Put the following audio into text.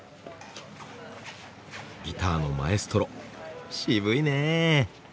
ギターのマエストロ渋いね。